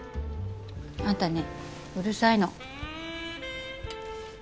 あんたねうるさいの。